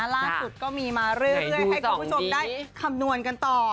ล่าสุดก็มีมาเรื่อยให้คุณผู้ชมได้คำนวณกันต่อ